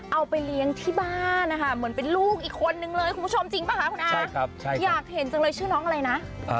เอาไปเลี้ยงที่บ้านนะคะเหมือนเป็นลูกอีกคนนึงเลยคุณผู้ชมจริงป่ะคุณอา